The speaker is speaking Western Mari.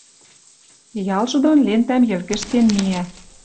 Ялжы дон лентӓм йӹлгӹжтен миӓ.